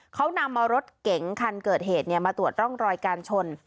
เขานำเอารถเก๋งคันเกิดเหตุมาตรวจร่องรอยการชน